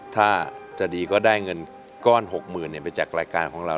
ถ้าจะดีก็ได้เงินก้อน๖๐๐๐ไปจากรายการของเรา